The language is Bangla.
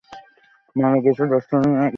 মারা গেছে মাত্র দশদিন আগে।